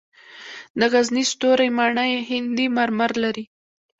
د غزني ستوري ماڼۍ هندي مرمر لري